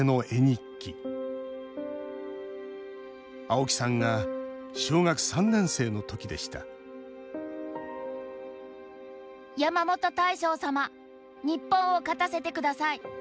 青木さんが小学３年生のときでした「山本大将さま日本を勝たせてください。